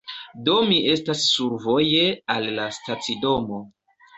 Do mi estas survoje al la stacidomo